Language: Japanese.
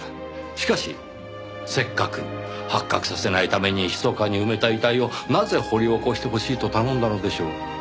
しかしせっかく発覚させないためにひそかに埋めた遺体をなぜ掘り起こしてほしいと頼んだのでしょう？